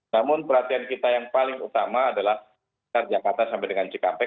namun perhatian kita yang paling utama adalah jakarta sampai dengan cikampek